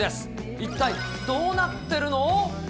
一体どうなってるの？